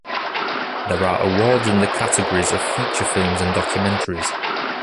There are awards in the categories of feature films and documentaries.